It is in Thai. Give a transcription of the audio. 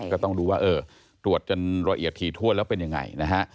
ก็ต้องดูว่าตรวจจนรอยเอียดถี่ถ้วนแล้วเป็นยังไง